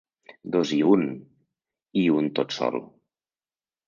Dos i un, i un tot sol”.